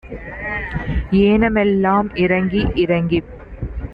ஏன மெல்லாம் இறக்கி இறக்கிப்